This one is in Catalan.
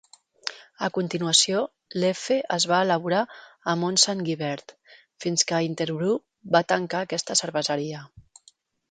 A continuació, Leffe es va elaborar a Mont-Saint-Guibert fins que Interbrew va tancar aquesta cerveseria.